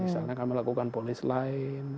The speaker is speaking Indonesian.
misalnya kami lakukan ponis lain